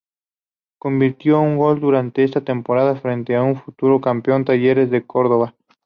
Convirtió un gol durante esta temporada, frente al futuro campeón, Talleres de Córdoba.